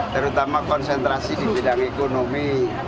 terutama konsentrasi di bidang ekonomi